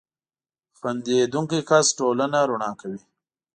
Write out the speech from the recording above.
• خندېدونکی کس ټولنه رڼا کوي.